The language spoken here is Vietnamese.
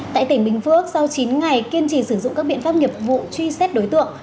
tại tỉnh bình phước sau chín ngày kiên trì sử dụng các biện pháp nghiệp vụ truy xét đối tượng